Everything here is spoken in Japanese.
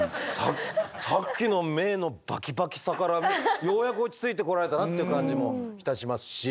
さっきの目のバキバキさからようやく落ち着いてこられたなっていう感じもいたしますし。